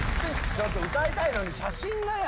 ちょっと歌いたいのに写真がよ。